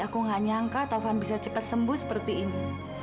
aku gak nyangka taufan bisa cepat sembuh seperti ini